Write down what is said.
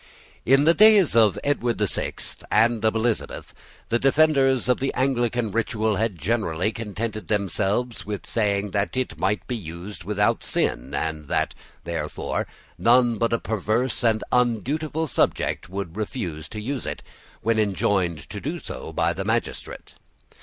In the days of Edward the Sixth and of Elizabeth, the defenders of the Anglican ritual had generally contented themselves with saying that it might be used without sin, and that, therefore, none but a perverse and undutiful subject would refuse to use it when enjoined to do so by the magistrate.